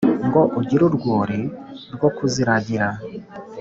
ngo ugire urwuri rwo kuziragira